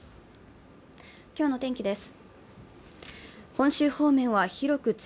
今日の天気です。